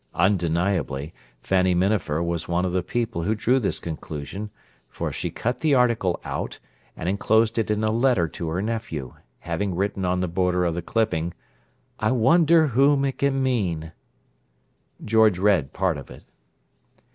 Undeniably, Fanny Minafer was one of the people who drew this conclusion, for she cut the article out and enclosed it in a letter to her nephew, having written on the border of the clipping, "I wonder whom it can mean!" George read part of it.